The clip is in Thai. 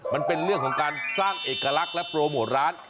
มันเป็นเรื่องของการสร้างเอกลักษณ์และโปรโมทร้าน